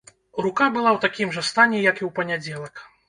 Рука была ў такім жа стане, як і ў панядзелак.